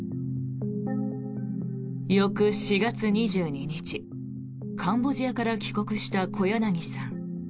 翌４月２２日カンボジアから帰国した小柳さん。